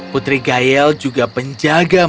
putri gayel juga menjaga malam